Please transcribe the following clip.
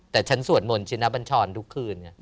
แต่ฉันสวดมนต์ชินบัญชรทุกคืน